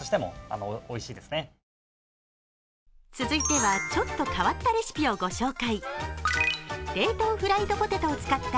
続いてはちょっと変わったレシピをご紹介。